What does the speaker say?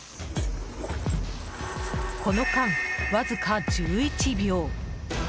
この間、わずか１１秒。